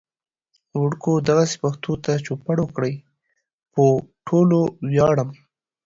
وړکو دغسې پښتو ته چوپړ وکړئ. پو ټولو وياړم